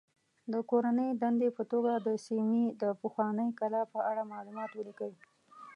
د کورنۍ دندې په توګه د سیمې د پخوانۍ کلا په اړه معلومات ولیکئ.